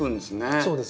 そうですね。